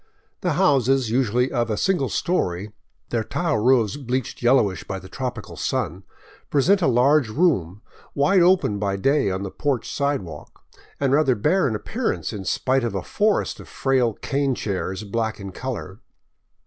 The houses, usually of a single story, their tile roofs bleached yellowish by the tropical sun, present a large room, wide open by day on the porch sidewalk, and rather bare in appearance in spite of a forest of frail cane chairs, black in color.